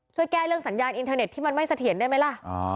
ช่วยแก้เรื่องสัญญาณอินเทอร์เน็ตที่มันไม่เสถียรได้ไหมล่ะ